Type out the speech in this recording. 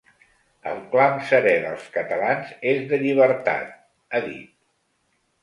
El clam serè dels catalans és de llibertat, ha dit.